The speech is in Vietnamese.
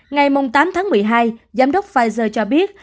ngày tám tháng một mươi hai giám đốc pfizer cho biết